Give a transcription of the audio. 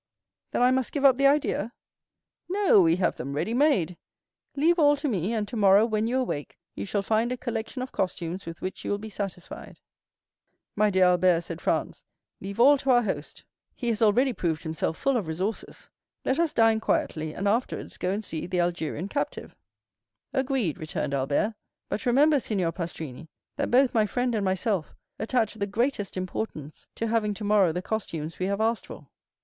"Then I must give up the idea?" "No; we have them ready made. Leave all to me; and tomorrow, when you awake, you shall find a collection of costumes with which you will be satisfied." "My dear Albert," said Franz, "leave all to our host; he has already proved himself full of resources; let us dine quietly, and afterwards go and see l'Italienne à Alger! "Agreed," returned Albert; "but remember, Signor Pastrini, that both my friend and myself attach the greatest importance to having tomorrow the costumes we have asked for."